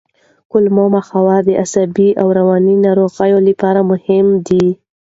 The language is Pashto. کولمو محور د عصبي او رواني ناروغیو لپاره مهم دی.